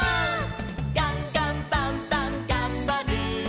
「ガンガンバンバンがんばる！」